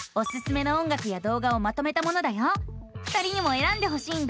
２人にもえらんでほしいんだ。